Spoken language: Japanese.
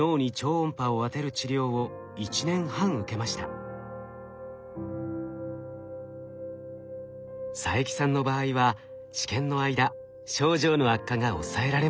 定期的に病院に行き佐伯さんの場合は治験の間症状の悪化が抑えられました。